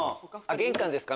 玄関ですか！